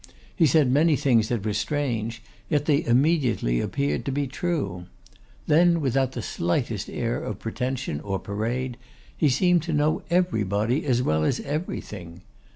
He said many things that were strange, yet they immediately appeared to be true. Then, without the slightest air of pretension or parade, he seemed to know everybody as well as everything.